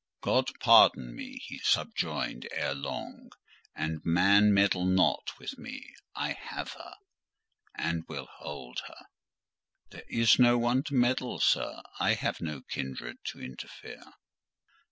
"God pardon me!" he subjoined ere long; "and man meddle not with me: I have her, and will hold her." "There is no one to meddle, sir. I have no kindred to interfere."